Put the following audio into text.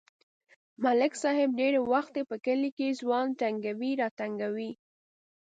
ملک صاحب ډېری وخت په کلي کې ځوان تنگوي راتنگوي.